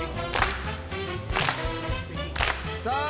さあ